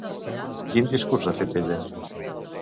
Quin discurs ha fet ella?